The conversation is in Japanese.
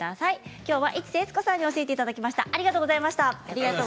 きょうは市瀬悦子さんに教えていただきました。